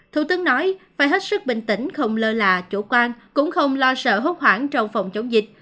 thủ tướng nói phải hết sức bình tĩnh không lơ là chủ quan cũng không lo sợ hốt hoảng trong phòng chống dịch